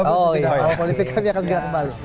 mahar politik kami akan segera kembali